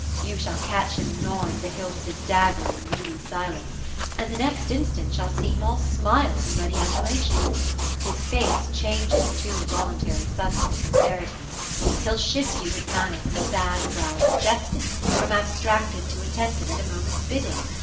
You shall catch him gnawing the hilt of his dagger in moody silence, and the next instant shall see him all smiles and ready adulation. His face changes too voluntary sudden for sincerity. He'll shift you his manner from sad browed to jesting, from abstracted to attentive, at a moment's bidding.